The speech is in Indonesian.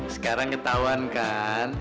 sekarang ketahuan kan